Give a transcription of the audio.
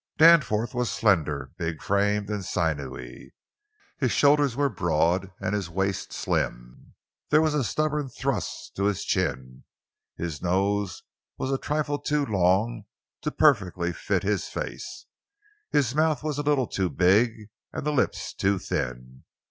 Danforth was slender, big framed, and sinewy. His shoulders were broad and his waist slim. There was a stubborn thrust to his chin; his nose was a trifle too long to perfectly fit his face; his mouth a little too big, and the lips too thin.